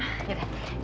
yang bener mbak